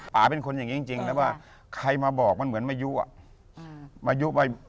ป่าเป็นคนอย่างนี้จริงแล้วว่าใครมาบอกมันเหมือนมายุอ่ะ